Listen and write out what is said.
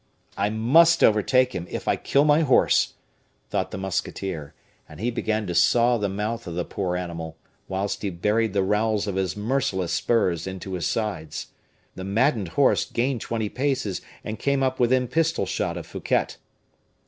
"I must overtake him, if I kill my horse," thought the musketeer; and he began to saw the mouth of the poor animal, whilst he buried the rowels of his merciless spurs into his sides. The maddened horse gained twenty toises, and came up within pistol shot of Fouquet.